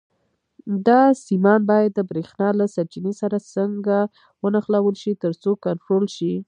دا سیمان باید د برېښنا له سرچینې سره څنګه ونښلول شي ترڅو کنټرول شي.